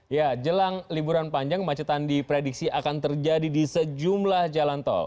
ya jelang liburan panjang macetan diprediksi akan terjadi di sejumlah jalan tol